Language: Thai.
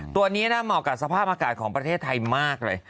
ตัวนี้นะเหมาะกับสภาพอากาศของประเทศไทยมากเลย